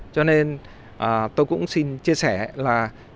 cho nên tôi cũng xin chia sẻ là